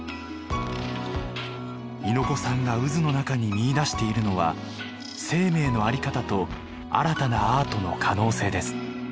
猪子さんが渦の中に見いだしているのは生命のあり方と新たなアートの可能性です。